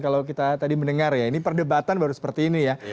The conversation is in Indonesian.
kalau kita tadi mendengar ya ini perdebatan baru seperti ini ya